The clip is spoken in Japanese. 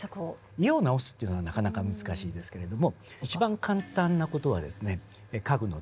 家を直すっていうのはなかなか難しいですけれども一番簡単な事は家具の転倒防止ですね。